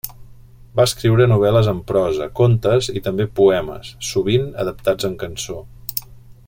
Va escriure novel·les en prosa, contes i també poemes, sovint adaptats en cançó.